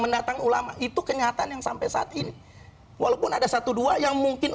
mendatang ulama itu kenyataan yang sampai saat ini walaupun ada satu dua yang mungkin